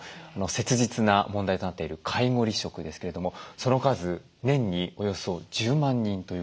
切実な問題となっている介護離職ですけれどもその数年におよそ１０万人ということで。